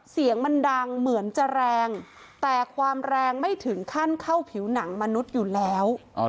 เสียงมันดังเหมือนจะแรงแต่ความแรงไม่ถึงขั้นเข้าผิวหนังมนุษย์อยู่แล้ว